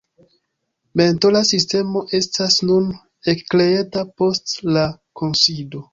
Mentora sistemo estas nun ekkreata post la kunsido.